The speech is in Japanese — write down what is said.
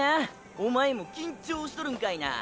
おまえも緊張しとるんかいな？